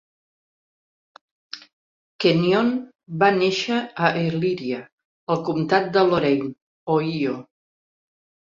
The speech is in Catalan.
Kenyon va néixer a Elyria, al comtat de Lorain, Ohio.